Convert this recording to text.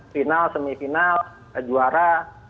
final semifinal juara